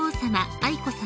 愛子さま